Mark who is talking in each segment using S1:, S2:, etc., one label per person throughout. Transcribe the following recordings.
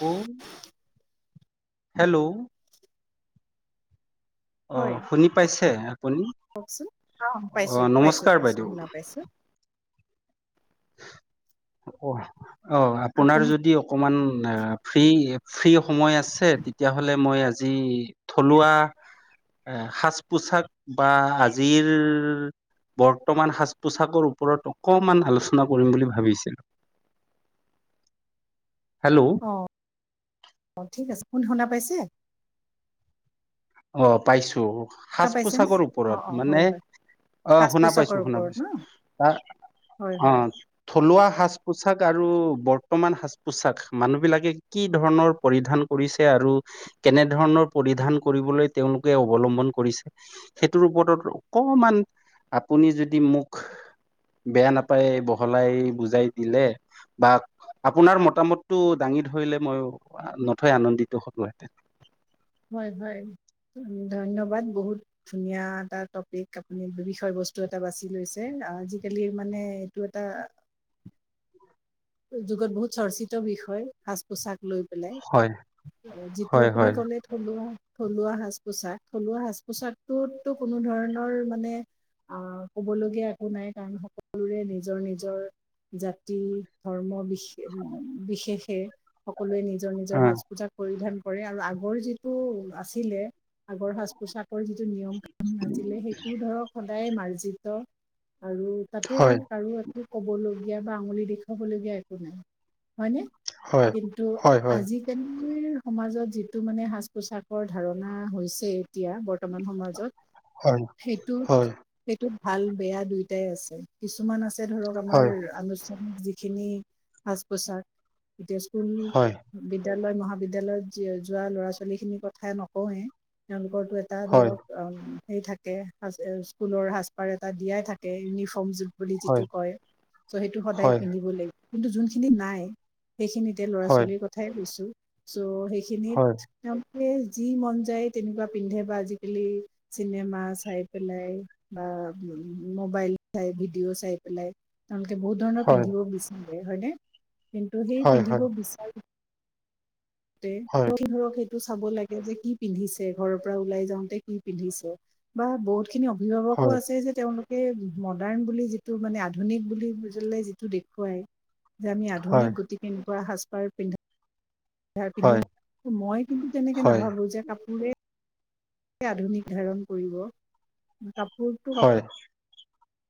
S1: বৌ, হেল্ল'?
S2: হয়
S1: অ', শুনি পাইছে আপুনি?
S2: কওকচোন অ পাইছো
S1: অ'
S2: পাইছো
S1: নমস্কাৰ
S2: পাইছো
S1: বাইদেউ।
S2: শুনা পাইছো
S1: অ', আপোনাৰ
S2: আপুনি
S1: যদি অকণমান ফ্ৰী ফ্ৰী সময় আছে তেতিয়াহ'লে মই আজি থলুৱা এ সাজ পোছাক বা আজিৰ বৰ্তমান সাজ পোছাকৰ ওপৰত অকমান আলোচনা চনা কৰিম বুলি ভাবিছিলো, হেল্ল'?
S2: অঁ, অঁ ঠিক আছে কোন শুনা পাইছে?
S1: অ', পাইছো।
S2: শুনা
S1: সাজ
S2: পাইছেনে
S1: পোছাকৰ
S2: অ অ
S1: ওপৰত মানে।
S2: হয় হয়
S1: অ',
S2: সাজ
S1: শুনা
S2: পোছাকৰ
S1: পাইছো শুনা
S2: ওপৰত ন
S1: পাইছো। তাৰ
S2: হয় হয়
S1: অ'। থলুৱা সাজ পোছাক আৰু বৰ্তমান সাজ পোছাক মানুহ বিলাকে কি ধৰণৰ পৰিধান কৰিছে আৰু কেনে ধৰণৰ পৰিধান কৰিবলৈ তেওঁলোকে অৱলম্বন কৰিছে। সেইটোৰ ওপৰত অকণমান আপুনি যদি মোক বেয়া নাপাই বহলাই বুজাই দিলে বা আপোনাৰ মতামতটো দাঙি ধৰিলে মই নথই আনন্দিত হ'লো হেতেন।
S2: হয়, হয়। ধন্যবাদ বহুত। ধুনীয়া এটা টপিক আপুনি বিষয় বস্তু এটা বাছি লৈছে, আজিকালি মানে এইটো এটা যুগত বহুত চৰ্চিত বিষয় সাজ পোছাক লৈ।
S1: হয়,
S2: যিটো
S1: হয়,
S2: আপুনি
S1: হয়,
S2: ক'লে- থলুৱা থলুৱা সাজ পোছাক, থলুৱা সাজ পোচাকটোতো কোনো ধৰণৰ মানে আহ ক'বলগীয়া একো নাই, কাৰণ সকলোৰে নিজৰ নিজৰ জাতি ধৰ্ম বিশ বিশেষে সকলোৱে নিজৰ নিজৰ
S1: উম,
S2: সাজ পোজাক পৰিধান কৰে, আৰু আগৰ যিটো আছিলে আগৰ সাজ পোছাকৰ যিটো নিয়ম আছিলে সেইটোও ধৰক সদায় মাৰ্জিত, আৰু তাতে
S1: হয়,
S2: কাৰো এ ক'বলগীয়া বা আঙুলি দেখুৱাবলগীয়া একো নাই হয়নে?
S1: হয়।
S2: কিন্তু
S1: হয়, হয়,
S2: আজি তেনে সমাজত যিটো মানে সাজ পোছাকৰ ধাৰণা হৈছে এতিয়া বৰ্তমান সমাজত
S1: হয়,
S2: সেইটোত
S1: হয়,
S2: সেইটোত ভাল বেয়া দুয়টাই আছে। কিছুমান আছে ধৰক আমাৰ
S1: হয়,
S2: আনুষ্ঠানিক যিখিনি সাজ পোছাক। এতিয়া চোন
S1: হয়,
S2: বিদ্যালয় মহাবিদ্যালয়ত যোৱা ল'ৰা ছোৱালী খিনিৰ কথাই নকওঁয়ে, তেওঁলোকৰো এট- টা
S1: হয়, হয়,
S2: ধৰক সেই থাকে স্কুলৰ সাজপাৰ এটা দিয়াই থাকে ইউনিফৰ্ম, জোটা- বুলি
S1: হয়,
S2: যিটো কয় ত' সেইটো
S1: হয়,
S2: সদায় পিন্ধিব লাগিব, কিন্তু যোনখিনি নাই সেইখিনিত- তে ল'ৰা ছোৱালীৰ কথাই কৈছো, চ'
S1: হয়,
S2: সেইখিনিত- তেওঁলোকে যি মন যায় তেনেকুৱা পিন্ধে বা আজিকালি- চিনেমা চাই পেলাই বা মোবাইল চাই ভিডিঅ' চাই পেলাই- তেওঁলোকে বহুত ধৰণৰ
S1: হয়।
S2: পিন্ধিব বিচাৰে হয়নে? কিন্তু সেই
S1: হয়
S2: পিন্ধিব
S1: হয়
S2: বিচাৰি- তে
S1: হয়
S2: [unintelligible] টো চাব লাগে যে কি পিন্ধিছে, ঘৰৰ পৰা ওলাই যাওঁতে কি পিন্ধিছে? বা বহুত- খিনি অভিভাৱকো
S1: হয়
S2: আছে যে তেওঁলোক- এ মডাৰ্ণ বুলি যিটো মানে আধুনিক বুজিলে যিটো দেখুৱাই- যে আমি আধুনিক গতিকে এনেকুৱা সাজপাৰ পিন্ধা- পিন্ধিল,
S1: হয়
S2: মই কিন্তু তেনেকে
S1: হয়
S2: নাভাবো যে কাপোৰে- আধুনিক ধাৰণ কৰিব, কাপোৰটো
S1: হয় হয়
S2: কাপোৰ-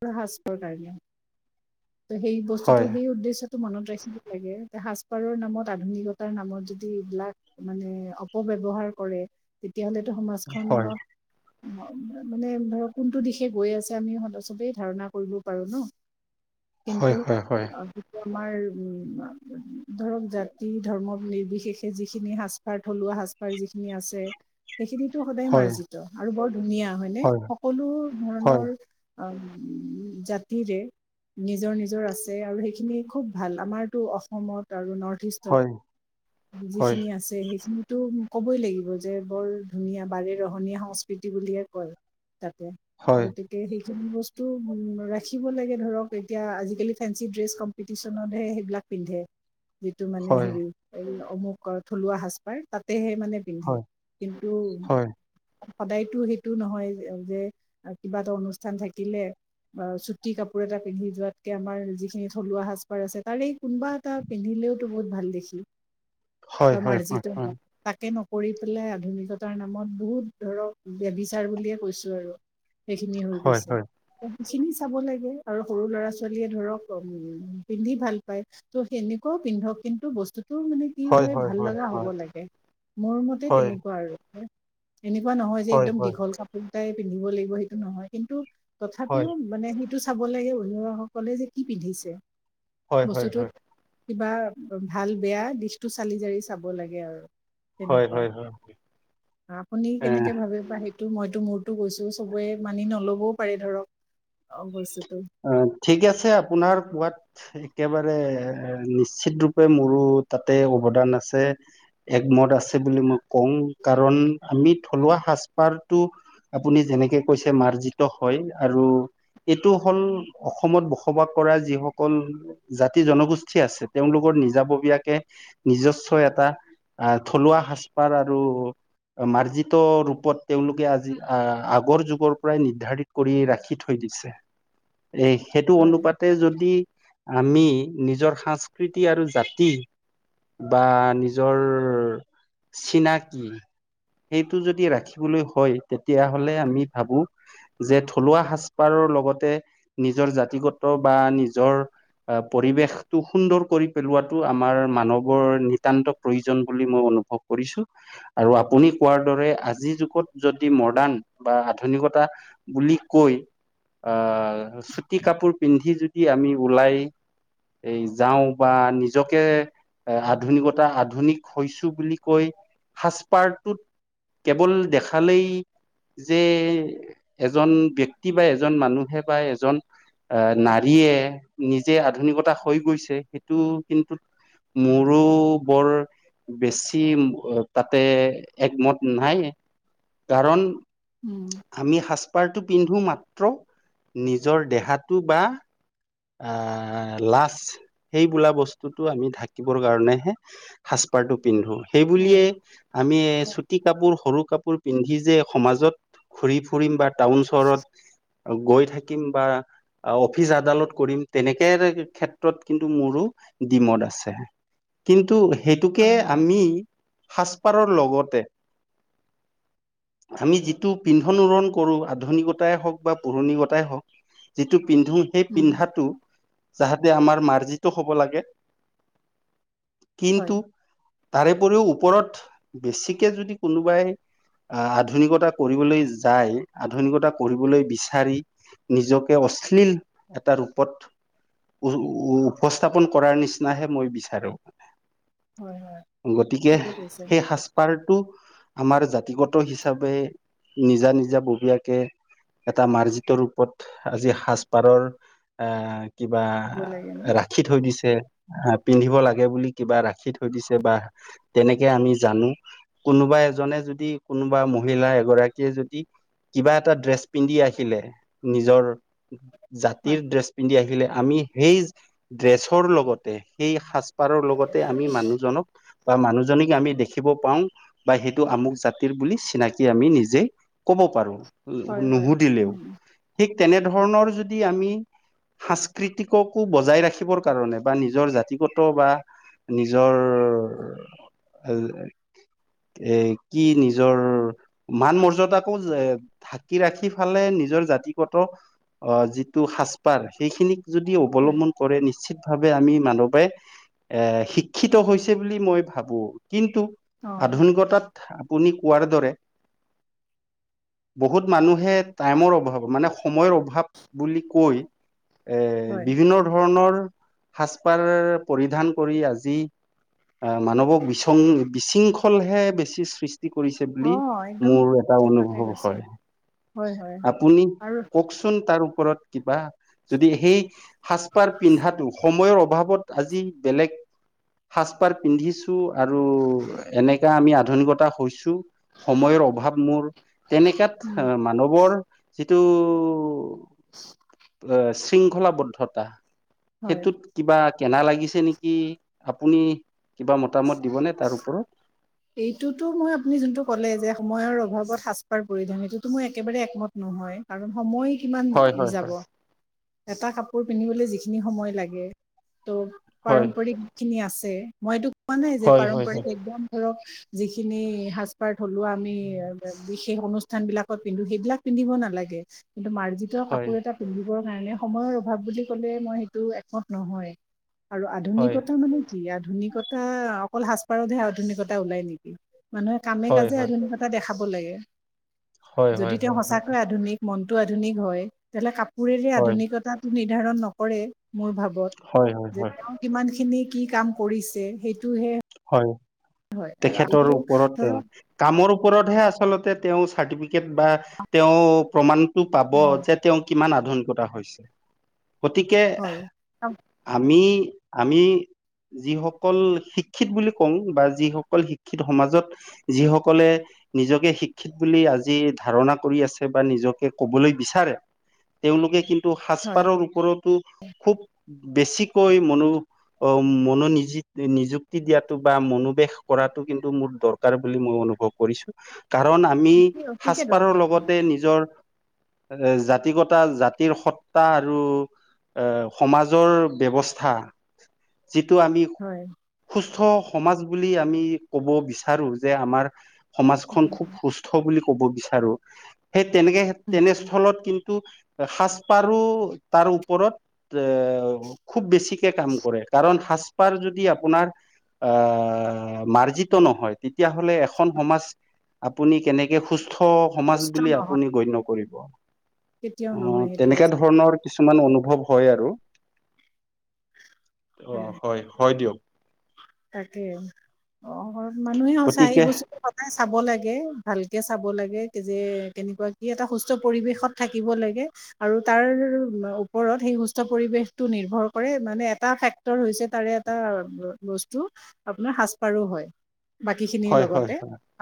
S2: সাজ-পাৰৰ কাৰণে, সেই বস্তুটো সেই উদ্দেশ্যত- টো মনত ৰাখিব লাগে যে সাজ পাৰৰ নামত আধুনিকতাৰ নামত যদি এইবিলাক- মানে অপব্যৱহাৰ কৰে- তেতিয়াহলেতো
S1: হয়
S2: সমাজখনত মানে ধৰক কোনটো দিশে গৈ আছে আমি সদস- চবেই ধাৰণা কৰিব পাৰো ন,
S1: হয়
S2: কিন্তু
S1: হয়
S2: অঁ সেইটো আমাৰ- ধৰক জাতি ধৰ্মৰ নিৰ্বিশেষ- যিখিনি সাঁজপাৰ থলুৱা সাঁজপাৰ যিখিনি আছে- সেইখিনিটো সদায়
S1: হয় হয় হয়
S2: মাৰ্জিত আৰু বৰ ধুনীয়া হয়নে? সকলো
S1: হয় হয়
S2: ধৰণৰ- অঁম জাতিৰে- নিজৰ নিজৰ আছে আৰু সেইখিনি খুব ভাল, আমাৰতো অসমত আৰু নৰ্থ ইষ্ট- তত যিখিনি আছে- সেইখিনিতো ক'বই লাগিব যে বৰ ধুনীয়া বাৰেৰহনীয়া সংস্কৃতি বুলিয়ে কয়। তাকে,
S1: হয় হয় হয় হয় হয়
S2: গতিকে সেই- খিনি বস্তু উম ৰাখিব লাগে ধৰক, এতিয়া আজিকালি ফেঞ্চি ড্ৰেছ কম্পিতিছনতহে সেইবিলাক- পিন্ধে, যিটো মানে হেৰি এই অমুকৰ থলুৱা সাজপাৰ তাতেহে মানে-
S1: হয়
S2: পিন্ধে,
S1: হয় হয়
S2: কিন্তু- সদায়তো সেইটো নহয় যে, কিবা এটা অনুষ্ঠান থাকিলে- অ, চুটি কাপোৰ এটা পিন্ধি যোৱাতকে আমাৰ যিখিনি থলুৱা সাঁজ পাৰ আছে তাৰে এই কোনোবা এটা- পিন্ধিলেওতো বহুত ভাল দেখি।
S1: [inaudible]
S2: বা মাৰ্জিত হত- তাকে নকৰি পেলাই আধুনিকতাৰ নামত বহুত ধৰক ব্যভিচাৰ বুলিয়ে কৈছো আৰু। সেইখিনি হৈ
S1: হয় হয়
S2: গৈছে। সেইখিনি চাব লাগে, আৰু সৰু ল'ৰা-ছোৱালীয়ে ধৰক উম পিন্ধি ভাল পায়। ত' সেনেকুৱাও পিন্ধক কিন্তু বস্তুতোটো মানে- কি হয় ভাল লগা হ'ব লাগে, মোৰ মতে তেনেকুৱা আৰু। এনেকুৱা নহয় যে একদম দীঘল কাপোৰটাই পিন্ধিব লাগিব সেইটো নহয়, কিন্তু তথাপিও- মানে সেইটো চাব লাগে অভিভাৱকাসকলে যে কি পিন্ধিছে? বস্তুটোত- কিবা ভাল-বেয়া দিশটো চালি জাৰি চাব লাগে আৰু।
S1: হয়
S2: তেনেকুৱাই,
S1: হয় হয় হয়
S2: আপুনি
S1: এ
S2: কেনেকে ভাবে বা সেইটো মইতো মোৰতো কৈছোঁ চবৰে মা- মানি নলবও পাৰে ধৰক, অঁ বস্তুটো।
S1: অঁ, ঠিক আছে। আপোনাৰ কোৱাত- একেবাৰে নিশ্চিত ৰূপে মোৰো তাতে অৱদান আছে। একমত আছে বুলি মই কওঁ। কাৰণ আমি থলুৱা সাজপাৰটো- আপুনি যেনেকে কৈছে মাৰ্জিত হয় আৰু এইটো- হ'ল অসমত বসবাস কৰা যিসকল- জাতি-জনগোষ্ঠী আছে, তেওঁলোকৰ নিজাববীয়াকে নিজস্ব এটা- আহ থলুৱা সাজপাৰ আৰু- মাৰ্জিত ৰূপত তেওঁলোকে আজি আহ আগৰ যুগৰ পৰাই নিৰ্ধাৰিত- কৰি ৰাখি থৈ দিছে। এ সেইটো
S2: হয়
S1: অনুপাত- তে যদি আমি নিজৰ সাংস্কৃতি আৰু জাতি- বা নিজৰ চিনাকি। সেইটো যদি ৰাখিবলৈ হয় তেতিয়াহলে আমি ভাবোঁ - যে থলুৱা সাজ পাৰৰ লগতে নিজৰ জাতিগত বা নিজৰ- আ পৰিৱেশটো সুন্দৰ কৰি পেলোৱাটো আমাৰ মানৱৰ নিতান্ত প্ৰয়োজন বুলি মই অনুভৱ কৰোঁ। কৰিছোঁ। আৰু আপুনি কোৱাৰ দৰে আজিৰ যুগত যদি মডাৰ্ণ বা আধুনিকতা- বুলি কৈ আহ চুটি কাপোৰ পিন্ধি যদি আমি ওলাই- এই যাওঁ বা নিজকে- এ আধুনিকতা, আধুনিক হৈছো বুলি কৈ সাজপাৰটোত- কেৱল দেখালেই- যে এজন ব্যক্তি বা এজন মানুহে বা এজ- এজন আহ নাৰীয়ে নিজে আধুনিকতা হৈ গৈছে সেইটো কিন্তু- মোৰো বৰ- বেছি তাতে একমত নাই। কাৰণ-
S2: উম।
S1: আমি সাজপাৰটো পিন্ধো মাত্ৰ নিজৰ দেহাটো বা- আহ লাজ সেইবোলা বস্তুটো আমি ঢাকিবৰ কাৰণেহে। সাজপাৰটো পিন্ধো।
S2: হয়
S1: সেইবুলিয়েই- আমি এই চুটি কাপোৰ, সৰু কাপোৰ পিন্ধি যে সমাজত- ঘুৰি ফুৰিম বা টাউন চহৰত গৈ থাকিম বা অফিচ আদালত- কৰিম, তেনেকে ক্ষেত্ৰত কিন্তু মোৰো ডিমত আছে। কিন্তু সেইটোকে
S2: হয় হয়
S1: আমি সাজপাৰৰ লগতে- আমি যিটো পিন্ধন উৰণ কৰো আধুনিকতাই হওঁক বা পৌৰণিকতাই হওঁক, - যিটো পিন্ধো সেই-
S2: উম
S1: পিন্ধাটো যাহতে আমাৰ মাৰ্জিত হ'ব লাগে।
S2: হয়
S1: কিন্তু তাৰেপৰিও ওপৰত বেছিকে যদি কোনোবাই- আহ আধুনিকতা কৰিবলৈ যায়, আধুনিকতা কৰিবলৈ বিচাৰি- নিজকে অশ্লীল এটা ৰূপত- উ উপস্থাপন কৰাৰ নিচিনাহে মই বিচাৰোঁ।
S2: হয় হয়
S1: গতিকে
S2: ঠিকে কৈছে
S1: সেই সাজ- পাৰটো আমাৰ জাতিগত হিচাপে নিজা, নিজা ববীয়াকে- এটা মাৰ্জিত ৰূপত আজি সাজপাৰৰ আহ কিবা
S2: দিব লাগে ন
S1: ৰা- ৰাখি থৈ দিছে আহ, পিন্ধিব লাগে বুলি কিবা ৰাখি থৈ দিছে বা- তেনেকে আমি জানো। কোনোবা এজনে যদি, কোনোবা মহিলা এগৰাকীয়ে যদি- কিবা এটা ড্ৰেছ পিন্ধি আহিলে নিজৰ
S2: হয়
S1: জাতিৰ ড্ৰেছ পিন্ধি আহিলে আমি সেই ড্ৰেছৰ লগতে সেই সাজ পাৰৰ লগতে আমি মানুহজনক বা মানুহজনীক আমি দেখিব পাওঁ বা সেইটো আমুক জাতিৰ বুলি চিনাকি আমি নিজেই ক'ব পাৰো
S2: হয় হয়
S1: নুসুধিলেও
S2: উম
S1: ঠিক তেনেধৰণৰ যদি আমি সাংস্কৃতিককো বজাই ৰাখিবৰ কাৰণে বা নিজৰ জাতিগত বা নিজৰ অ এ কি নিজৰ মান মৰ্যদাকো ঢাকি ৰাখি ফালে নিজৰ জাতিগত অ যিটো সাজপাৰ সেইখিনিক যদি
S2: হয়
S1: অৱলম্বন কৰে নিশ্চিত ভাৱে আমি মানৱে এ শিক্ষিত হৈছে বুলি মই ভাবো কিন্তু
S2: অ
S1: আধুনিকতাত আপুনি কোৱাৰ দৰে বহুত মানুহে টাইমৰ অভাৱ মানে সময়ৰ অভাৱ ভাৱ বুলি কৈ এ
S2: হয়
S1: বিভিন্ন ধৰণৰ সাজপাৰ পৰিধান কৰি আজি অহ মানৱক বিশং বিশৃংখলহে বেছি সৃ ষ্টি কৰিছে
S2: অ
S1: বুলি
S2: একদম
S1: মোৰ এটা
S2: ঠিক কথাই
S1: অনুভৱ
S2: কৈছে
S1: হয়।
S2: হয় হয় আৰু
S1: চোন তাৰ ওপৰত কিবা যদি সেই সাজপাৰ পিন্ধাটো সময়ৰ অভাৱত আজি বেলেগ সাজপাৰ পিন্ধিছো আৰু এনেকা আমি আধুনিকতা হৈছো সময়ৰ অভাৱ মোৰ
S2: উম
S1: তেনেকাত মানৱৰ যিটো এ শৃংখলাবদ্ধতা
S2: হয়
S1: সেইটোত কিবা কেনা লাগিছে নেকি আপুনি কিবা মতামত দিবনে তাৰ ওপৰত
S2: এইটোতো মই আপুনি যোনটো ক'লে যে সময়ৰ অভাৱত সাজপাৰ পৰিধান এইটোতো মই একেবাৰে একমত নহয়। কাৰণ সময় কিমান
S1: হয় হয়
S2: যাব
S1: হয়
S2: এটা কাপোৰ পিন্ধিবলৈ যিখিনি সময় লাগে ত
S1: হয়
S2: পাৰম্পৰিকখিনি আছে মই এইটো কোৱা নাই যে
S1: হয় হয়
S2: পাৰম্পৰিক একদম ধৰক যিখিনি সাজ -পাৰ থলোৱা আমি বি শেষ অনুষ্ঠান বিলাকত পিন্ধো সেইবিলাক পিন্ধিব নালাগে কিন্তু মাৰ্জিত
S1: হয়
S2: কাপোৰ এটা পিন্ধিবৰ কাৰণে সময়ৰ অভাৱ বুলি ক'লে মই সেইটো একমত নহয়। আৰু
S1: হয়
S2: আধুনিকতা মানে কি আধুনিকতা অকল সাজপাৰতহে আধুনি কতা ওলাই নেকি মানুহে কামে
S1: হয়
S2: কাজে
S1: হয়
S2: আধুনিকতা দেখাব লাগে?
S1: হয় হয়
S2: যদি তেওঁ
S1: হয়
S2: সঁচাকে আধুনিক মনটো আধুনিক হয় তেনেহ'লে কাপোৰেৰে
S1: হয়
S2: আধুনিকতাটো নিৰ্ধাৰণ নকৰে মোৰ ভাৱত।
S1: হয় হয়
S2: যে
S1: হয়
S2: তেওঁ কিমান খিনি কি কাম কৰিছে সেইটোহে
S1: হয়
S2: হয় আৰু
S1: তেখেতৰো
S2: এইটো
S1: ওপৰত অ
S2: ধৰক
S1: কামৰ ওপৰতহে আচলতে তেওঁ চাৰ্টিফিকেট বা তেওঁ প্ৰমাণ টো পাব যে তেওঁ কিমান আধুনিকতা হৈছে গতিকে
S2: হয়
S1: আমি আমি যিসকল শি ক্ষিত বুলি কওঁ বা যিসকল শিক্ষিত সমাজত যিসকলে নিজকে শিক্ষিত বুলি আজি ধাৰণা কৰি আছে বা নিজকে কবলৈ বিচাৰে তেওঁলোকে কিন্তু সাজ
S2: হয়
S1: পাৰৰ ওপৰত টো খুব বেছিকৈ মনো অহ মনো নিযিত কি দিয়াটো বা মনোবেশ কৰাটো কিন্তু মোৰ দৰকাৰ বুলি মই অনুভৱ কৰিছো। কাৰণ আমি
S2: অতি অতিকে দৰকাৰ
S1: সাজপাৰৰ লগতে নিজৰ এ জাতিগতা জাতিৰ সত্তা আৰু এ সমাজৰ ব্যৱস্থা, যিটো আমি
S2: হয়।
S1: সুস্থ সমাজ বুলি আমি ক'ব বিচাৰো, যে আমাৰ সমাজখন খুব সুস্থ বুলি ক'ব বিচাৰো। সেই তেনেকে তেনেস্থলত কিন্তু সাজপাৰো তাৰ ওপৰত এ খুব বেছি কে কাম কৰে, কাৰণ সাজপাৰ যদি আপোনাৰ আহ মাৰ্জিত নহয়। তেতিয়াহ'লে এখন সমাজ আপুনি কেনেকে সুস্থ সমাজ
S2: সুস্থ
S1: বুলি
S2: নহয়
S1: আপুনি গণ্য কৰিব?
S2: কেতিয়াও
S1: আহ
S2: নহয় সেইটো
S1: তেনেকা
S2: বস্তু
S1: ধৰণৰ কিছুমান অনুভৱ হয় আৰু, অহ হয় হয় দিয়ক।
S2: তাকে, [unintelligible] আমাৰ ঘৰত মানুহে সচা আহিবই
S1: গতিকে
S2: বস্তু চাব লাগে ভালকে চাব লাগে, যে কেনেকুৱা কি এটা সুস্থ পৰিৱেশত থাকিব আৰু তাৰ ওপৰত সেই সুস্থ পৰিবেশটো নিৰ্ভৰ কৰে মানে এটা ফেক ক্টৰ হৈছে তাৰে এটা বস্তু আপোনাৰ সাজপাৰো হয়। বাকীখিনিৰ
S1: হয় হয়
S2: লগতে,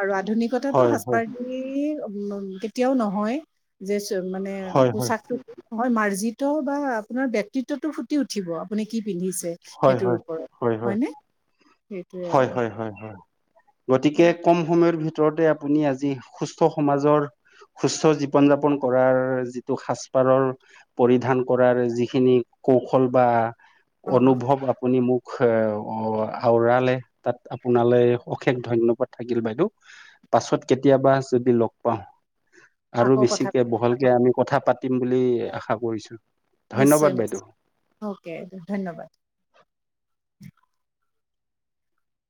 S2: আৰু আধুনিকতাটো
S1: হয় হয়
S2: সাজপাৰ ই কেতিয়াও নহয় যে মানে
S1: হয় হয়
S2: পোচাকটো হয়, মাৰ্জিত বা আপোনাৰ ব্যক্তিত্বত টো ফুটি উঠ ঠিব আপুনি কি পিন্ধিছে
S1: হয়
S2: সেইটোৰ
S1: হয়
S2: ওপৰত
S1: হয় হয়
S2: হয়নে? সেইটোৱে
S1: হয়,
S2: আৰু
S1: হয়, হয়, হয়। গতিকে ক'ম সময়ৰ ভিতৰতে আপুনি আজি সুস্থ সমাজৰ সুস্থ জীৱন যাপন কৰাৰ যিটো সাজপাৰৰ পৰিধান কৰাৰ যিখিনি কৌশল বা
S2: অ
S1: অনুভৱ আপুনি মোক এ আওৰাল লে তাত আপোনালৈ অশেষ ধন্যবাদ থাকিল বাইদেউ। পাছত কেতিয়াবা যদি লগ পাওঁ আৰু
S2: আকৌ কথা
S1: বেছিকে
S2: পাতিম
S1: বহলকে আমি কথা পাতিম বুলি আশা কৰিছো,
S2: নিশ্চয়
S1: ধন্যবাদ বাইদেউ।
S2: নিশ্চয় অ'কে ধন্যবাদ।